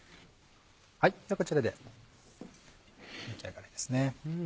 ではこちらで出来上がりです。